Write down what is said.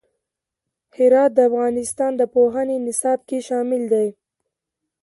هرات د افغانستان د پوهنې نصاب کې شامل دي.